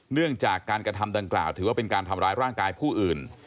เนื่องจากการกระทำดังกล่าวถือว่าเป็นการทำร้ายร่างกายผู้อื่น